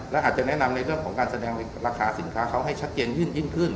และอาจจะแนะนำในเรื่องของการแสดงราคาสินค้าเขาให้ชัดเจนยิ่งขึ้น